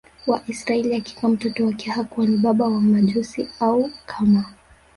wa Israili Hakika mtoto wake hakuwa ni baba wa Majusi au kama